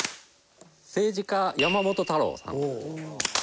政治家山本太郎さん。